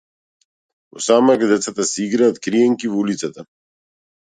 Во самрак децата си играат криенки во улицата.